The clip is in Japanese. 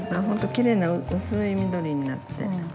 きれいな薄い緑になって。